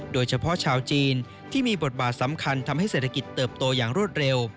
โดยเฉพาะชาวจีนที่มีบทบาทสำคัญทำให้เศรษฐกิจเติบโตอย่างรวดเร็ว